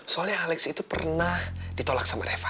soalnya alex itu pernah ditolak sama eva